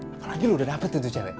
apalagi lo udah dapet itu cewek